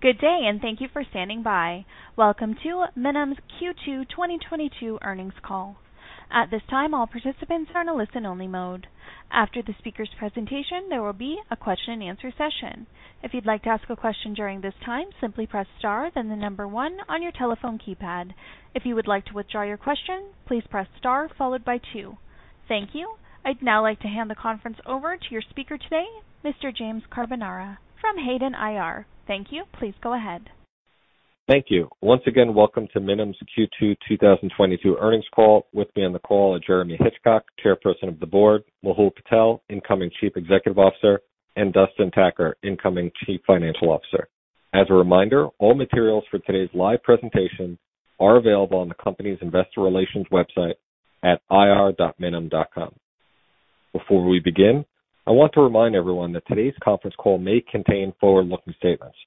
Good day, and thank you for standing by. Welcome to Minim's Q2 2022 earnings call. At this time, all participants are in a listen-only mode. After the speaker's presentation, there will be a Q&A session. If you'd like to ask a question during this time, simply press star, then the number one on your telephone keypad. If you would like to withdraw your question, please press star followed by two. Thank you. I'd now like to hand the conference over to your speaker today, Mr. James Carbonara from Hayden IR. Thank you. Please go ahead. Thank you. Once again, welcome to Minim's Q2 2022 earnings call. With me on the call are Jeremy Hitchcock, Chairperson of the Board, Mehul Patel, incoming Chief Executive Officer, and Dustin Tacker, incoming Chief Financial Officer. As a reminder, all materials for today's live presentation are available on the company's investor relations website at ir.minim.com. Before we begin, I want to remind everyone that today's conference call may contain forward-looking statements.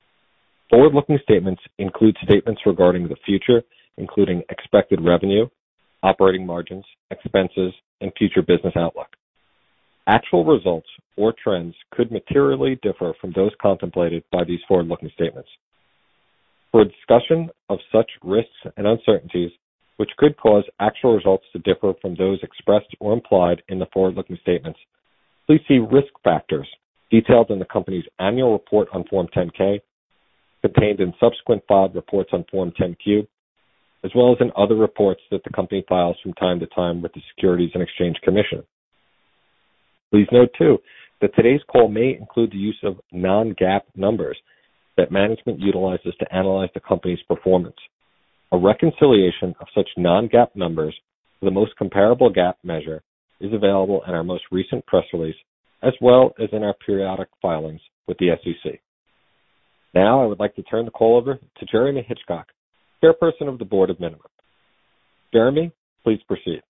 Forward-looking statements include statements regarding the future, including expected revenue, operating margins, expenses, and future business outlook. Actual results or trends could materially differ from those contemplated by these forward-looking statements. For a discussion of such risks and uncertainties which could cause actual results to differ from those expressed or implied in the forward-looking statements, please see risk factors detailed in the company's annual report on Form 10-K, contained in subsequent filed reports on Form 10-Q, as well as in other reports that the company files from time to time with the Securities and Exchange Commission. Please note, too, that today's call may include the use of non-GAAP numbers that management utilizes to analyze the company's performance. A reconciliation of such non-GAAP numbers to the most comparable GAAP measure is available in our most recent press release, as well as in our periodic filings with the SEC. Now, I would like to turn the call over to Jeremy Hitchcock, Chairperson of the Board of Minim. Jeremy, please proceed.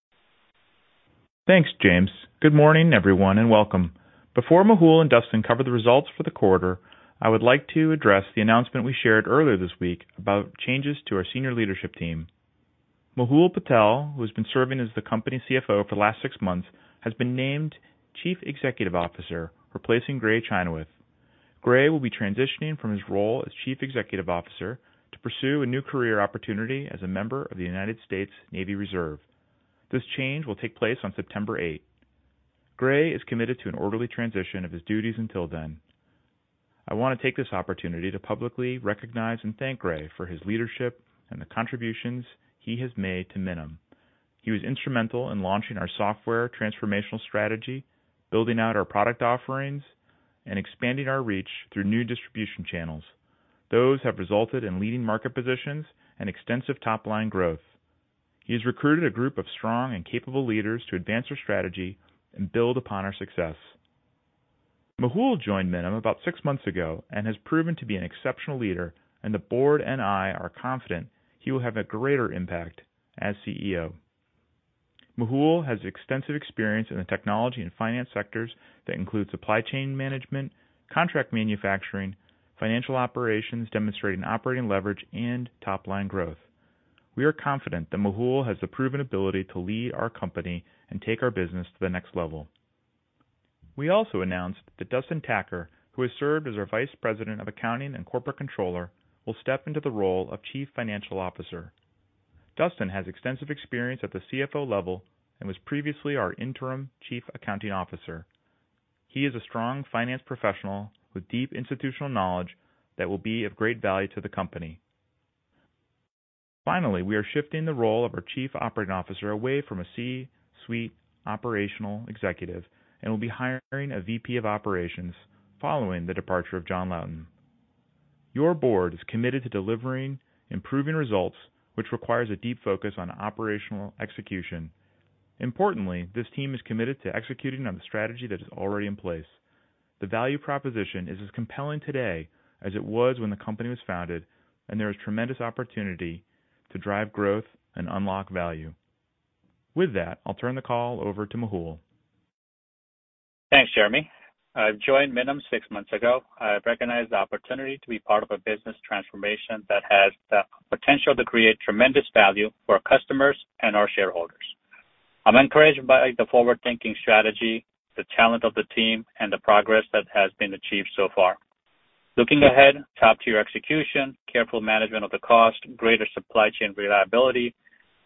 Thanks, James. Good morning, everyone, and welcome. Before Mehul and Dustin cover the results for the quarter, I would like to address the announcement we shared earlier this week about changes to our senior leadership team. Mehul Patel, who has been serving as the company CFO for the last six months, has been named Chief Executive Officer, replacing Gray Chynoweth. Gray will be transitioning from his role as Chief Executive Officer to pursue a new career opportunity as a member of the United States Navy Reserve. This change will take place on September 8. Gray is committed to an orderly transition of his duties until then. I wanna take this opportunity to publicly recognize and thank Gray for his leadership and the contributions he has made to Minim. He was instrumental in launching our software transformational strategy, building out our product offerings, and expanding our reach through new distribution channels. Those have resulted in leading market positions and extensive top-line growth. He has recruited a group of strong and capable leaders to advance our strategy and build upon our success. Mehul joined Minim about six months ago and has proven to be an exceptional leader, and the board and I are confident he will have a greater impact as CEO. Mehul has extensive experience in the technology and finance sectors that include supply chain management, contract manufacturing, financial operations demonstrating operating leverage and top-line growth. We are confident that Mehul has the proven ability to lead our company and take our business to the next level. We also announced that Dustin Tacker, who has served as our Vice President of Accounting and Corporate Controller, will step into the role of Chief Financial Officer. Dustin has extensive experience at the CFO level and was previously our interim Chief Accounting Officer. He is a strong finance professional with deep institutional knowledge that will be of great value to the company. Finally, we are shifting the role of our chief operating officer away from a C-suite operational executive and will be hiring a VP of operations following the departure of John Lauten. Your board is committed to delivering improving results, which requires a deep focus on operational execution. Importantly, this team is committed to executing on the strategy that is already in place. The value proposition is as compelling today as it was when the company was founded, and there is tremendous opportunity to drive growth and unlock value. With that, I'll turn the call over to Mehul. Thanks, Jeremy. I joined Minim six months ago. I recognized the opportunity to be part of a business transformation that has the potential to create tremendous value for our customers and our shareholders. I'm encouraged by the forward-thinking strategy, the talent of the team, and the progress that has been achieved so far. Looking ahead, top-tier execution, careful management of the cost, greater supply chain reliability,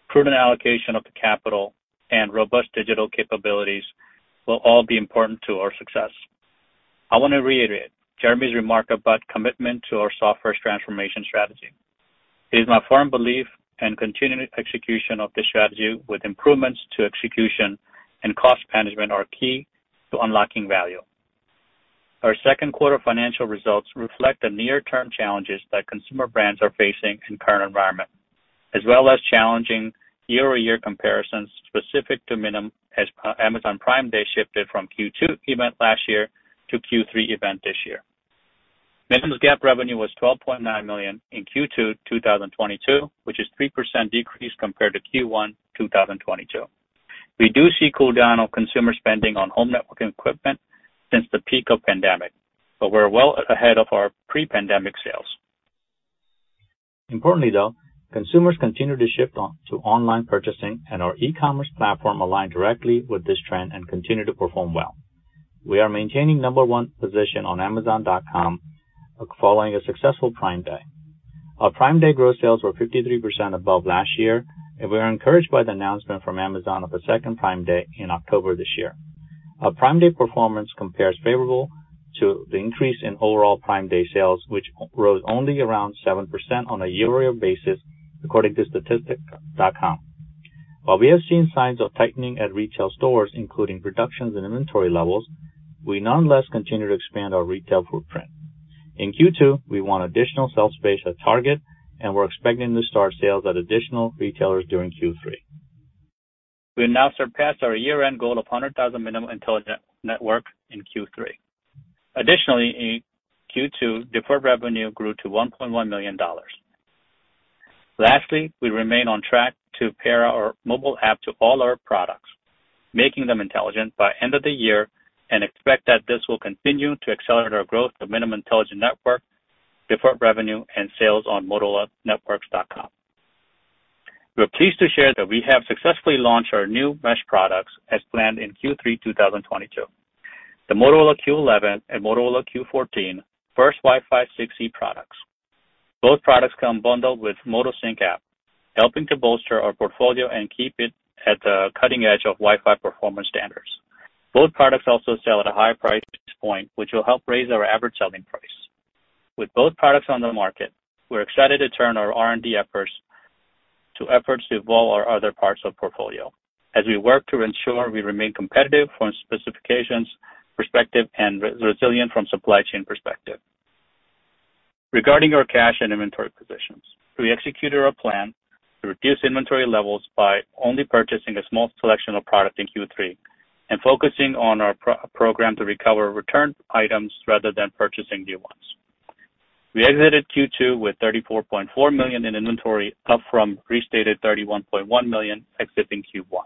prudent allocation of the capital, and robust digital capabilities will all be important to our success. I wanna reiterate Jeremy's remark about commitment to our software's transformation strategy. It is my firm belief and continued execution of this strategy with improvements to execution and cost management are key to unlocking value. Our second quarter financial results reflect the near-term challenges that consumer brands are facing in current environment, as well as challenging year-over-year comparisons specific to Minim as Amazon Prime Day shifted from Q2 event last year to Q3 event this year. Minim's GAAP revenue was $12.9 million in Q2 2022, which is 3% decrease compared to Q1 2022. We do see cooldown of consumer spending on home network equipment since the peak of pandemic, but we're well ahead of our pre-pandemic sales. Importantly though, consumers continue to shift on to online purchasing, and our e-commerce platform aligned directly with this trend and continue to perform well. We are maintaining number one position on amazon.com following a successful Prime Day. Our Prime Day gross sales were 53% above last year, and we are encouraged by the announcement from Amazon of a second Prime Day in October this year. Our Prime Day performance compares favorable to the increase in overall Prime Day sales, which rose only around 7% on a year-over-year basis, according to statista.com. While we have seen signs of tightening at retail stores, including reductions in inventory levels, we nonetheless continue to expand our retail footprint. In Q2, we won additional shelf space at Target, and we're expecting to start sales at additional retailers during Q3. We now surpassed our year-end goal of 100,000 Minim Intelligent Network in Q3. Additionally, in Q2, deferred revenue grew to $1.1 million. Lastly, we remain on track to pair our mobile app to all our products, making them intelligent by end of the year, and expect that this will continue to accelerate our growth to Minim Intelligent Networks, deferred revenue, and sales on motorolanetwork.com. We are pleased to share that we have successfully launched our new mesh products as planned in Q3 2022. The Motorola Q11 and Motorola Q14 first Wi-Fi 6 products. Both products come bundled with Motosync app, helping to bolster our portfolio and keep it at the cutting edge of Wi-Fi performance standards. Both products also sell at a higher price point, which will help raise our average selling price. With both products on the market, we're excited to turn our R&D efforts to efforts to evolve our other parts of portfolio as we work to ensure we remain competitive from specifications perspective and resilient from supply chain perspective. Regarding our cash and inventory positions, we executed our plan to reduce inventory levels by only purchasing a small selection of product in Q3 and focusing on our pro-program to recover returned items rather than purchasing new ones. We exited Q2 with $34.4 million in inventory, up from restated $31.1 million exiting Q1.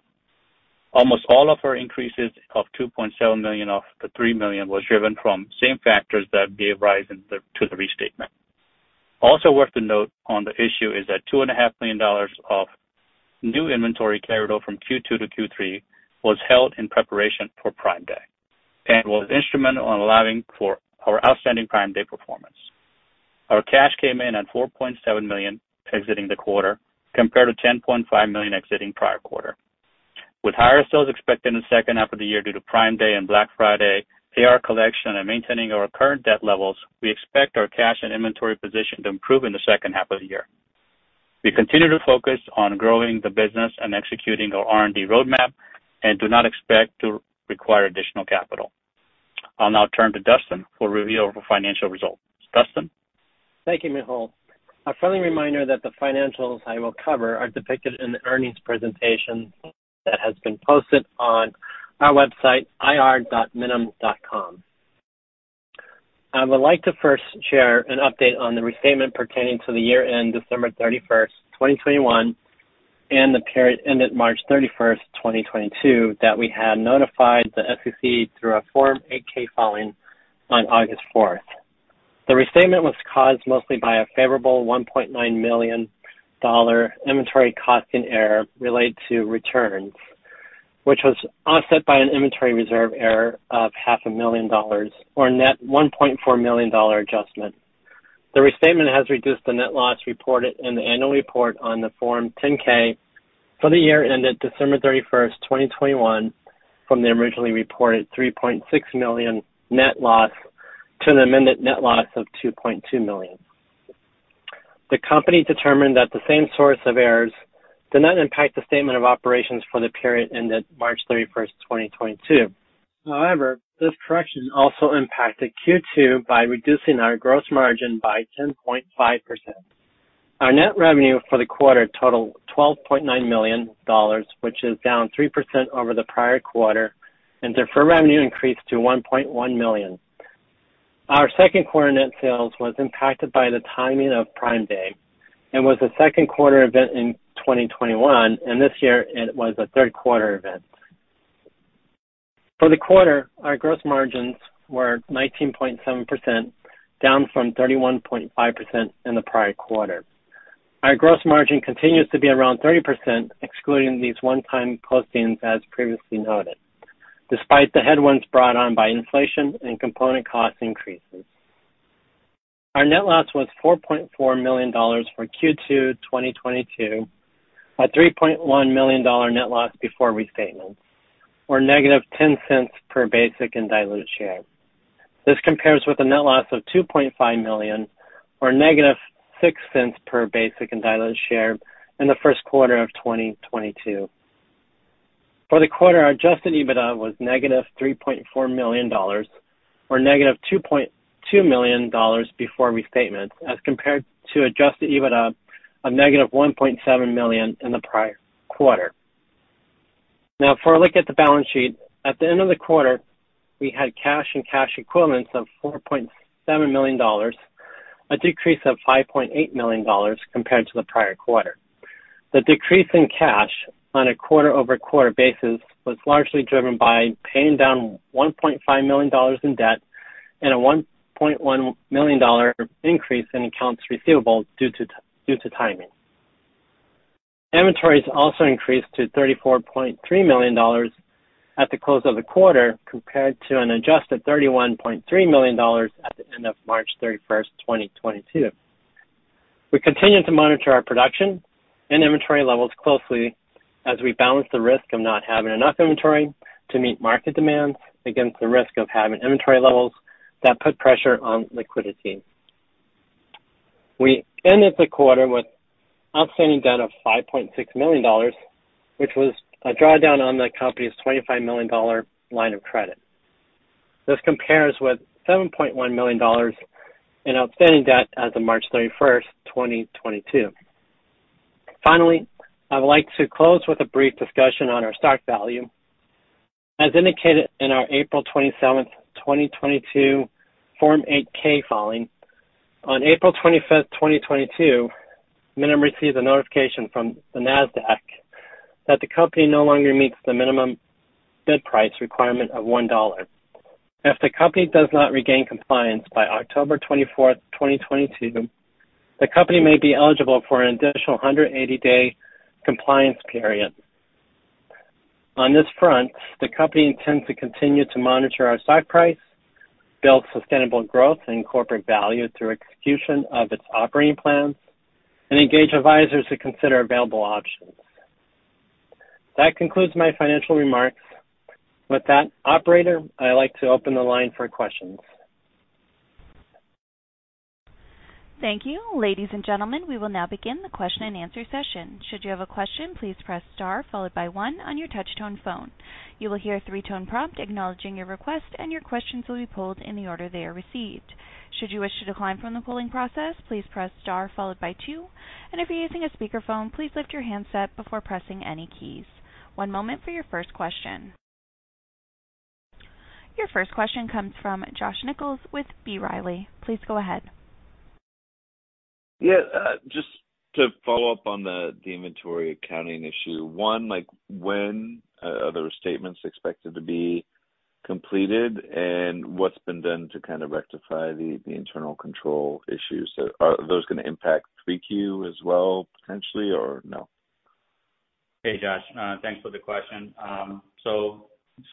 Almost all of our increases of $2.7 million of the $3 million was driven from same factors that gave rise to the restatement. Worth noting on the issue is that $2.5 million Of new inventory carried over from Q2 to Q3 was held in preparation for Prime Day and was instrumental in allowing for our outstanding Prime Day performance. Our cash came in at $4.7 million exiting the quarter, compared to $10.5 million exiting prior quarter. With higher sales expected in the second half of the year due to Prime Day and Black Friday, AR collection and maintaining our current debt levels, we expect our cash and inventory position to improve in the second half of the year. We continue to focus on growing the business and executing our R&D roadmap and do not expect to require additional capital. I'll now turn to Dustin for review of our financial results. Dustin. Thank you, Mehul. A friendly reminder that the financials I will cover are depicted in the earnings presentation that has been posted on our website, ir.minim.com. I would like to first share an update on the restatement pertaining to the year end December 31st, 2021, and the period ended March 31st, 2022, that we had notified the SEC through our Form 8-K filing on August 4. The restatement was caused mostly by a favorable $1.9 million inventory costing error related to returns, which was offset by an inventory reserve error of half a million dollars or a net $1.4 million adjustment. The restatement has reduced the net loss reported in the annual report on the Form 10-K for the year ended December 31st, 2021, from the originally reported $3.6 million net loss to the amended net loss of $2.2 million. The company determined that the same source of errors did not impact the statement of operations for the period ended March 31st, 2022. However, this correction also impacted Q2 by reducing our gross margin by 10.5%. Our net revenue for the quarter totaled $12.9 million, which is down 3% over the prior quarter, and deferred revenue increased to $1.1 million. Our second quarter net sales was impacted by the timing of Prime Day and was a second quarter event in 2021, and this year it was a third quarter event. For the quarter, our gross margins were 19.7%, down from 31.5% in the prior quarter. Our gross margin continues to be around 30% excluding these one-time postings, as previously noted, despite the headwinds brought on by inflation and component cost increases. Our net loss was -$4.4 million for Q2 2022, a -$3.1 million net loss before restatements, or -$0.10 per basic and diluted share. This compares with a net loss of -$2.5 million, or -$0.06 per basic and diluted share in the first quarter of 2022. For the quarter, our Adjusted EBITDA was -$3.4 million, or -$2.2 million before restatement, as compared to Adjusted EBITDA of -$1.7 million in the prior quarter. Now for a look at the balance sheet. At the end of the quarter, we had cash and cash equivalents of $4.7 million, a decrease of $5.8 million compared to the prior quarter. The decrease in cash on a quarter-over-quarter basis was largely driven by paying down $1.5 million in debt and a $1.1 million increase in accounts receivable due to timing. Inventories also increased to $34.3 million at the close of the quarter compared to an adjusted $31.3 million at the end of March 31st, 2022. We continue to monitor our production and inventory levels closely as we balance the risk of not having enough inventory to meet market demands against the risk of having inventory levels that put pressure on liquidity. We ended the quarter with outstanding debt of $5.6 million, which was a drawdown on the company's $25 million line of credit. This compares with $7.1 million in outstanding debt as of March 31st, 2022. Finally, I would like to close with a brief discussion on our stock value. As indicated in our April 27th, 2022 Form 8-K filing, on April 25th, 2022, Minim received a notification from the Nasdaq that the company no longer meets the minimum bid price requirement of $1. If the company does not regain compliance by October 24th, 2022, the company may be eligible for an additional 180-day compliance period. On this front, the company intends to continue to monitor our stock price, build sustainable growth and corporate value through execution of its operating plans, and engage advisors to consider available options. That concludes my financial remarks. With that, operator, I like to open the line for questions. Thank you. Ladies and gentlemen, we will now begin the Q&A session. Should you have a question, please press star followed by one on your touch-tone phone. You will hear a three-tone prompt acknowledging your request, and your questions will be pulled in the order they are received. Should you wish to decline from the polling process, please press star followed by two. If you're using a speakerphone, please lift your handset before pressing any keys. One moment for your first question. Your first question comes from Josh Nichols with B. Riley. Please go ahead. Just to follow up on the inventory accounting issue. Like, when are those statements expected to be completed, and what's been done to kind of rectify the internal control issues? Are those gonna impact 3Q as well potentially or no? Hey, Josh. Thanks for the question.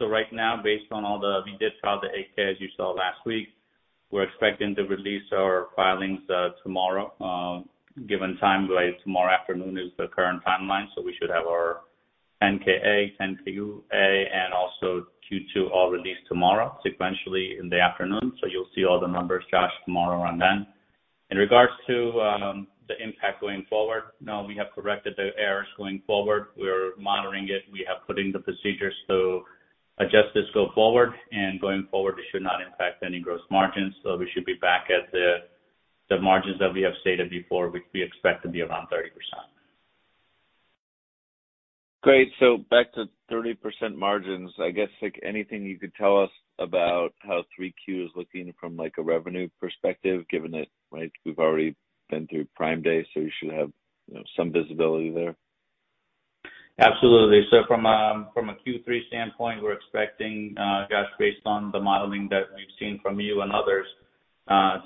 Right now, we did file the 8-K, as you saw last week. We're expecting to release our filings tomorrow. Given time, like, tomorrow afternoon is the current timeline, so we should have our 8-K/A, 10-Q/A, and also Q2 all released tomorrow sequentially in the afternoon. You'll see all the numbers, Josh, tomorrow and then. In regards to the impact going forward, no, we have corrected the errors going forward. We're monitoring it. We have put in the procedures to adjust this go forward. Going forward, it should not impact any gross margins. We should be back at the margins that we have stated before, which we expect to be around 30%. Great. Back to 30% margins. I guess, like, anything you could tell us about how 3Q is looking from, like, a revenue perspective, given that, right, we've already been through Prime Day, so you should have, you know, some visibility there. Absolutely. From a Q3 standpoint, we're expecting, Josh, based on the modeling that we've seen from you and others,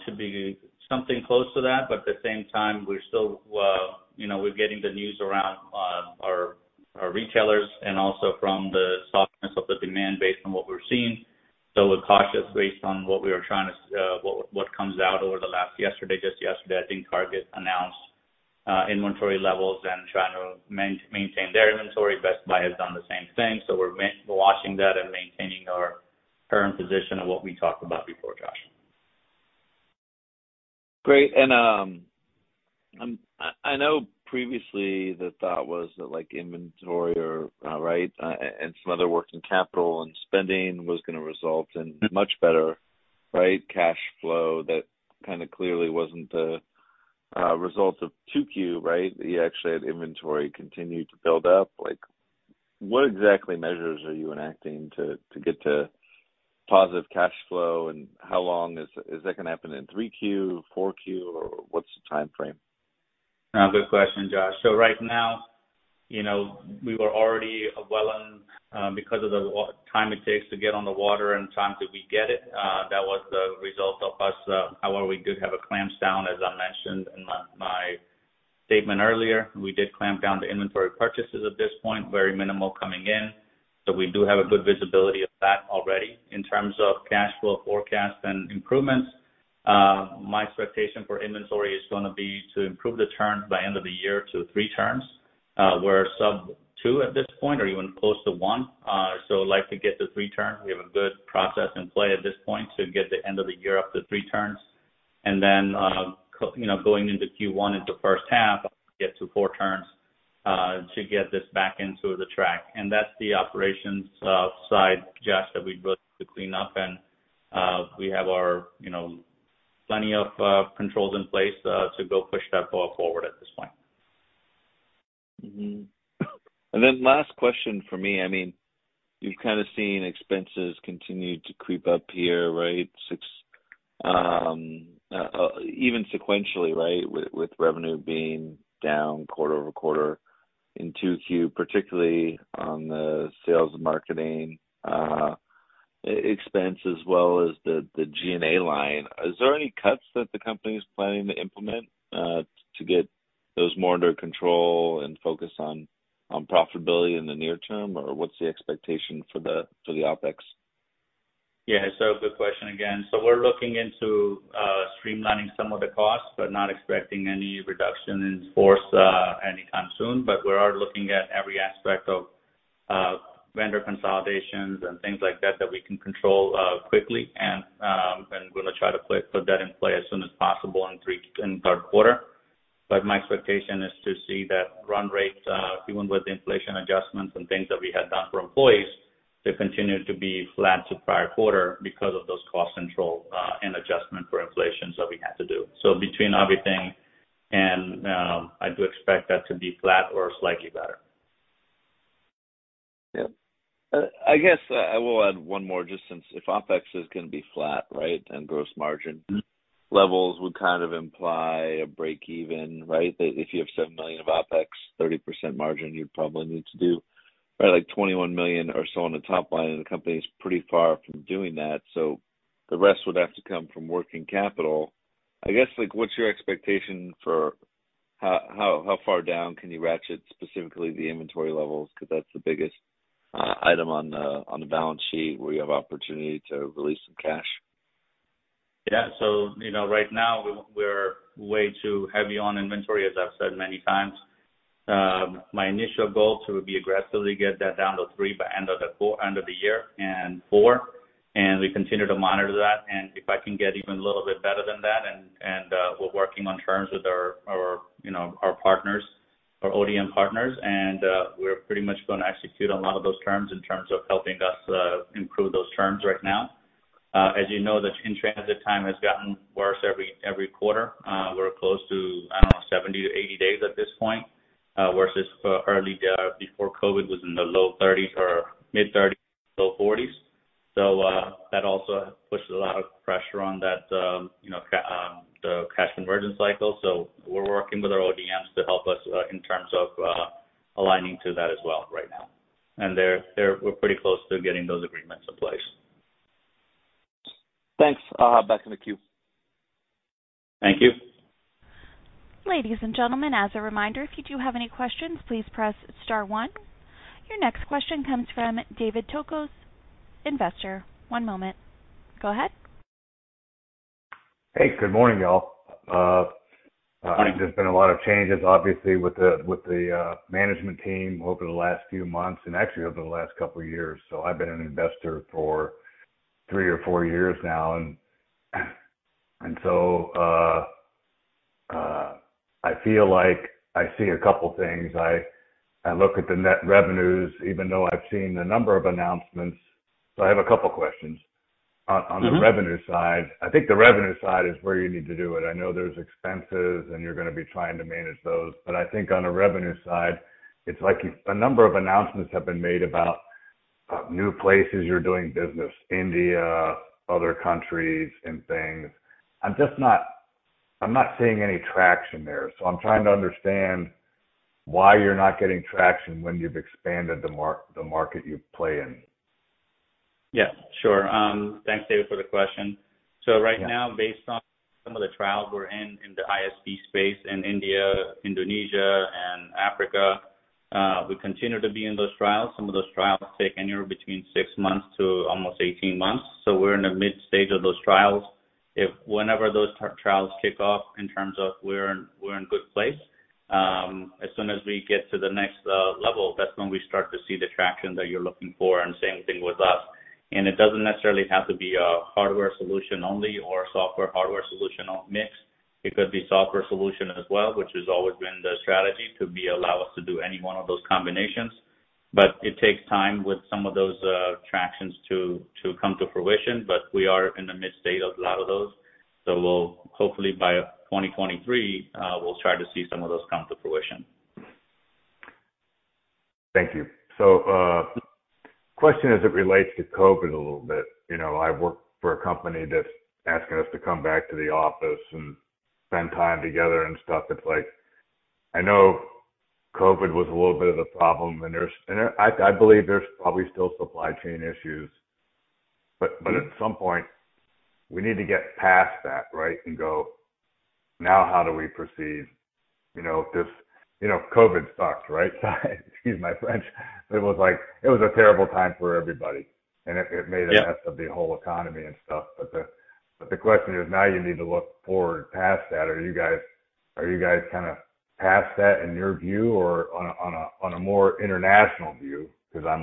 to be something close to that. But at the same time, we're still, you know, we're getting the news around our retailers and also from the softness of the demand based on what we're seeing. We're cautious based on what comes out over the last year. Just yesterday, I think Target announced inventory levels and trying to maintain their inventory. Best Buy has done the same thing. We're watching that and maintaining our current position of what we talked about before, Josh. Great. I know previously the thought was that, like, inventory or right and some other working capital and spending was gonna result in much better right cash flow that kinda clearly wasn't the result of 2Q, right? You actually had inventory continue to build up. Like, what exactly measures are you enacting to get to positive cash flow, and how long is that gonna happen in 3Q, 4Q, or what's the timeframe? Good question, Josh. Right now, you know, we were already well in, because of the time it takes to get on the water and time that we get it, that was the result of us. However, we did have a clampdown, as I mentioned in my statement earlier. We did clamp down the inventory purchases at this point, very minimal coming in, so we do have a good visibility of that already. In terms of cash flow forecast and improvements, my expectation for inventory is gonna be to improve the turns by end of the year to three turns. We're sub two at this point or even close to one. So I'd like to get to three turns. We have a good process in play at this point to get the end of the year up to three turns. You know, going into Q1, into first half, get to four turns to get this back into the track. That's the operations side, Josh, that we'd look to clean up. We have our, you know, plenty of controls in place to go push that ball forward at this point. Then last question for me. I mean, you've kind of seen expenses continue to creep up here, right? Since even sequentially, right? With revenue being down quarter-over-quarter in 2Q, particularly on the sales and marketing expense as well as the G&A line. Is there any cuts that the company is planning to implement, to get those more under control and focus on profitability in the near term? Or what's the expectation for the OpEx? Yeah. Good question again. We're looking into streamlining some of the costs, but not expecting any reduction in force anytime soon. We are looking at every aspect of vendor consolidations and things like that that we can control quickly, and we're gonna try to put that in play as soon as possible in third quarter. My expectation is to see that run rates even with inflation adjustments and things that we had done for employees to continue to be flat to prior quarter because of those cost control and adjustment for inflation that we had to do. Between everything, I do expect that to be flat or slightly better. I guess I will add one more just since if OpEx is gonna be flat, right, and gross margin. Mm-hmm. Levels would kind of imply a break even, right? That if you have $7 million of OpEx, 30% margin, you'd probably need to do, right, like $21 million or so on the top line, and the company is pretty far from doing that. The rest would have to come from working capital. I guess, like, what's your expectation for how far down can you ratchet specifically the inventory levels? 'Cause that's the biggest item on the balance sheet where you have opportunity to release some cash. Yeah. You know, right now we're way too heavy on inventory, as I've said many times. My initial goal to be aggressively get that down to three by end of the year and four. We continue to monitor that. If I can get even a little bit better than that and we're working on terms with our you know, our partners, our ODM partners, and we're pretty much gonna execute on a lot of those terms in terms of helping us improve those terms right now. As you know, the transit time has gotten worse every quarter. We're close to, I don't know, 70-80 days at this point versus early before COVID was in the low 30s or mid 30s to low 40s. That also puts a lot of pressure on that, you know, the cash conversion cycle. We're working with our ODMs to help us in terms of aligning to that as well right now. We're pretty close to getting those agreements in place. Thanks. I'll hop back in the queue. Thank you. Ladies and gentlemen, as a reminder, if you do have any questions, please press star one. Your next question comes from David Tocos, Investor. One moment. Go ahead. Hey, good morning, y'all. Hi There's been a lot of changes, obviously, with the management team over the last few months and actually over the last couple of years. I've been an investor for three or four years now. I feel like I see a couple things. I look at the net revenues, even though I've seen a number of announcements. I have a couple questions. On the. Mm-hmm. Revenue side. I think the revenue side is where you need to do it. I know there's expenses, and you're gonna be trying to manage those. But I think on the revenue side, it's like a number of announcements have been made about new places you're doing business, India, other countries and things. I'm not seeing any traction there. I'm trying to understand why you're not getting traction when you've expanded the market you play in. Yeah, sure. Thanks, David, for the question. Right now. Yeah Based on some of the trials we're in the ISP space in India, Indonesia and Africa, we continue to be in those trials. Some of those trials take anywhere between six months to almost 18 months. We're in the mid stage of those trials. If whenever those trials kick off in terms of we're in good place, as soon as we get to the next level, that's when we start to see the traction that you're looking for and same thing with us. It doesn't necessarily have to be a hardware solution only or software hardware solution on mix. It could be software solution as well, which has always been the strategy to allow us to do any one of those combinations. It takes time with some of those tractions to come to fruition. We are in the midst of a lot of those. We'll hopefully by 2023, we'll try to see some of those come to fruition. Thank you. Question as it relates to COVID a little bit. You know, I work for a company that's asking us to come back to the office and spend time together and stuff. It's like, I know COVID was a little bit of a problem, and I believe there's probably still supply chain issues, but at some point we need to get past that, right? And go, now how do we proceed? You know, this, you know, COVID sucks, right? Excuse my French. It was like it was a terrible time for everybody, and it made- Yeah A mess of the whole economy and stuff. The question is now you need to look forward past that. Are you guys kinda past that in your view or on a more international view? Because I'm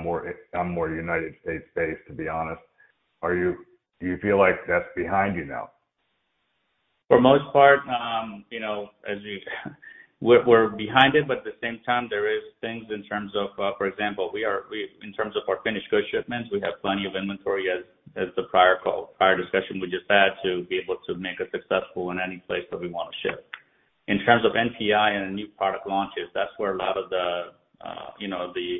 more United States based, to be honest. Do you feel like that's behind you now? For most part, you know, we're behind it, but at the same time, there is things in terms of, for example, in terms of our finished good shipments, we have plenty of inventory as the prior call, prior discussion we just had to be able to make us successful in any place that we wanna ship. In terms of NPI and new product launches, that's where a lot of the, you know, the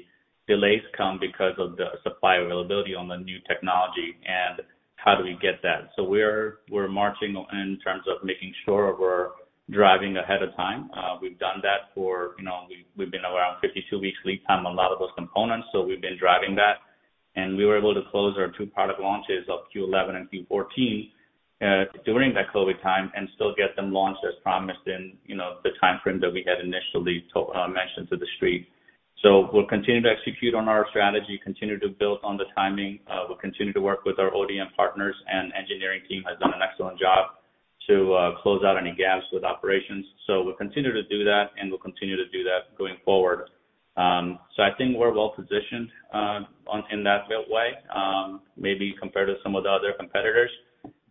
delays come because of the supply availability on the new technology and how do we get that. We're marching in terms of making sure we're driving ahead of time. We've done that for, you know, we've been around 52 weeks lead time on a lot of those components, so we've been driving that. We were able to close our two product launches of Q11 and Q14 during that COVID time and still get them launched as promised in, you know, the timeframe that we had initially mentioned to the street. We'll continue to execute on our strategy, continue to build on the timing. We'll continue to work with our ODM partners and engineering team has done an excellent job to close out any gaps with operations. We'll continue to do that, and we'll continue to do that going forward. I think we're well positioned in that way, maybe compared to some of the other competitors.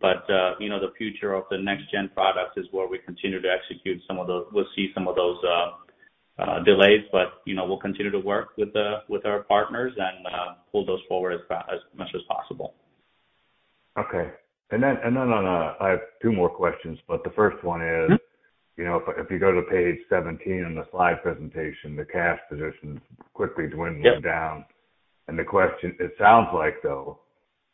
You know, the future of the next-gen products is where we continue to execute. We'll see some of those delays, but you know, we'll continue to work with our partners and pull those forward as much as possible. Okay. I have two more questions, but the first one is. Mm-hmm. You know, if you go to page 17 in the slide presentation, the cash position is quickly dwindling. Yep. Down. The question, it sounds like, though,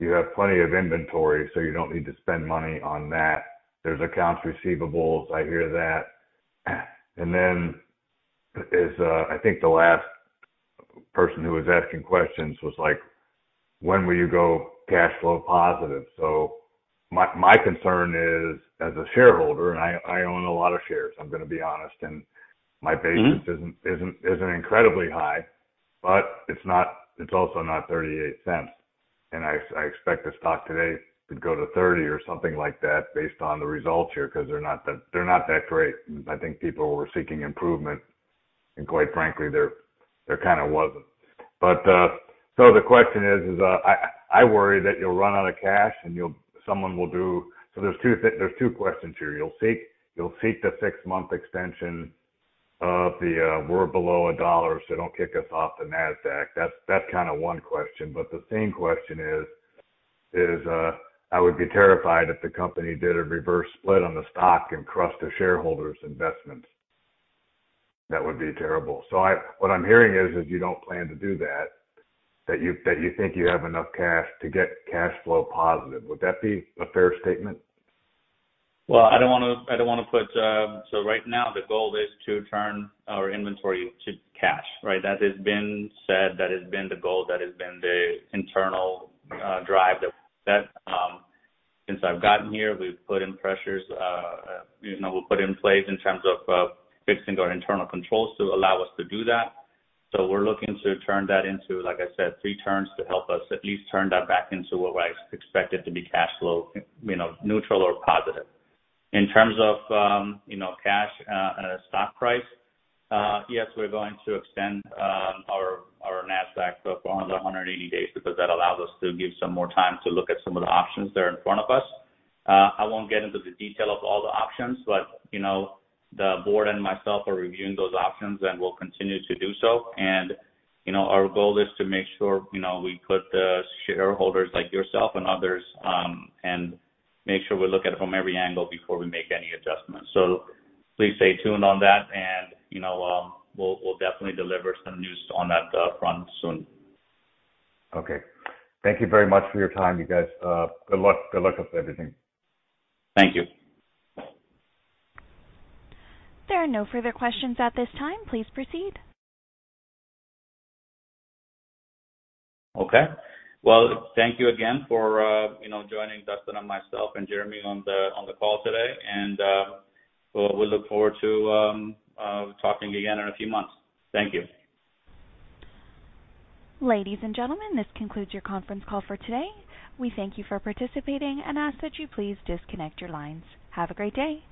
you have plenty of inventory, so you don't need to spend money on that. There's accounts receivables, I hear that. As I think the last person who was asking questions was like, "When will you go cash flow positive?" My concern is as a shareholder, and I own a lot of shares, I'm gonna be honest, and my basis. Mm-hmm. Isn't incredibly high, but it's not, it's also not $0.38. I expect the stock today to go to 30 or something like that based on the results here, 'cause they're not that great. I think people were seeking improvement and quite frankly, kind of wasn't. The question is, I worry that you'll run out of cash and someone will do. There's two questions here. You'll seek the six-month extension of the, we're below $1, so don't kick us off the Nasdaq. That's kinda one question. The same question is, I would be terrified if the company did a reverse split on the stock and crushed the shareholders' investments. That would be terrible. What I'm hearing is that you don't plan to do that you think you have enough cash to get cash flow positive. Would that be a fair statement? Right now the goal is to turn our inventory to cash, right? That has been said, that has been the goal, that has been the internal drive that we set. Since I've gotten here, we've put in place in terms of fixing our internal controls to allow us to do that. We're looking to turn that into, like I said, three turns to help us at least turn that back into what I expect it to be cash flow, you know, neutral or positive. In terms of you know, cash and stock price, yes, we're going to extend our Nasdaq for another 180 days because that allows us to give some more time to look at some of the options that are in front of us. I won't get into the detail of all the options, but you know, the board and myself are reviewing those options, and we'll continue to do so. You know, our goal is to make sure you know, we put the shareholders like yourself and others and make sure we look at it from every angle before we make any adjustments. Please stay tuned on that and you know, we'll definitely deliver some news on that front soon. Okay. Thank you very much for your time, you guys. Good luck with everything. Thank you. There are no further questions at this time. Please proceed. Okay. Well, thank you again for, you know, joining Dustin and myself and Jeremy on the call today. We look forward to talking again in a few months. Thank you. Ladies and gentlemen, this concludes your conference call for today. We thank you for participating and ask that you please disconnect your lines. Have a great day.